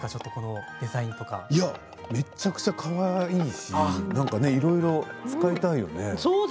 めちゃくちゃかわいいしいろいろ使いたいよね。